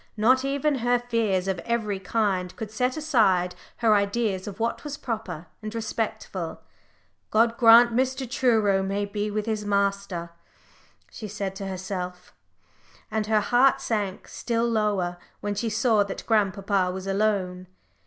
Not even her fears of every kind could set aside her ideas of what was proper and respectful. "God grant Mr. Truro may be with master!" she said to herself, and her heart sank still lower when she saw that grandpapa was alone.